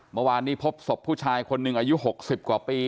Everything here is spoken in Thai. เมื่อวานนี้พบศพผู้ชายคนหนึ่งอายุ๖๐กว่าปี